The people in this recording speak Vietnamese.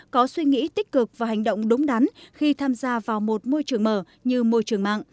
có suy nghĩ tích cực và hành động đúng đắn khi tham gia vào một môi trường mở như môi trường mạng